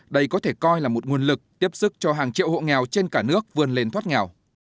đây có thể coi là một nguồn lực tiếp sức cho hàng triệu hộ nghèo trên cả nước vươn lên thoát nghèo